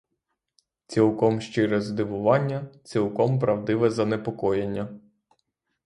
Цілком щире здивування, цілком правдиве занепокоєння.